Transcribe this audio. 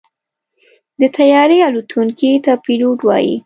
د طیارې الوتونکي ته پيلوټ وایي.